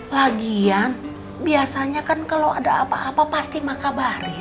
lagian biasanya kan kalau ada apa apa pasti maka barri